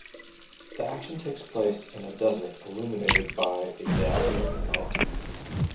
The action takes place in a desert illuminated by a "dazzling light".